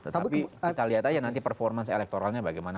tetapi kita lihat aja nanti performance elektoralnya bagaimana